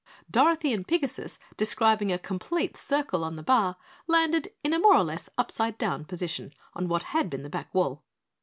Dorothy and Pigasus, describing a complete circle on the bar, landed in a more or less upside down position on what had been the back wall.